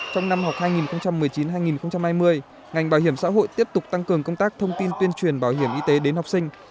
trong năm học hai nghìn một mươi chín hai nghìn hai mươi ngành bảo hiểm xã hội tiếp tục tăng cường công tác thông tin tuyên truyền bảo hiểm y tế đến học sinh